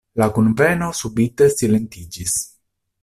La kunveno subite silentiĝis.